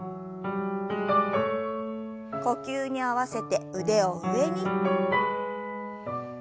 呼吸に合わせて腕を上に。